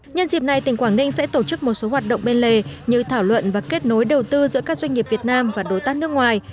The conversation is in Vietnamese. nhân dịp này tỉnh quảng ninh sẽ tổ chức một số hoạt động bên lề như thảo luận và kết nối đầu tư giữa các doanh nghiệp việt nam và đối tác nước ngoài